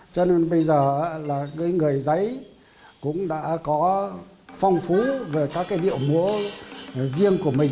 cho nên bây giờ là cái người giấy cũng đã có phong phú về các cái điệu múa riêng của mình